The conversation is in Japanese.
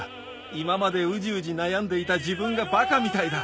今までうじうじ悩んでいた自分がばかみたいだ